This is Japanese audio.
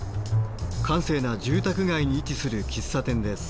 閑静な住宅街に位置する喫茶店です。